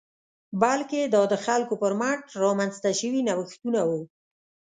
بلکې دا د خلکو پر مټ رامنځته شوي نوښتونه وو